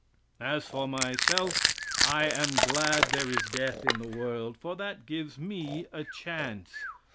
As for myself I am glad there is death in the world, for that gives me a chance.